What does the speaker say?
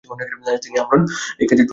তিনি আমরন এই কাজে নিযুক্ত ছিলেন ।